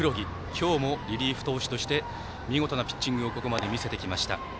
今日もリリーフ投手として見事なピッチングをここまで見せてきました。